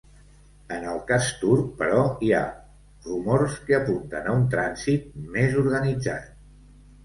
En el cas turc, però, hi ha rumors que apunten a un trànsit més organitzat.